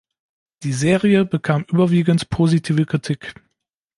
Die Serie bekam überwiegend positive Kritik.